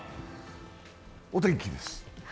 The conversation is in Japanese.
お天気です。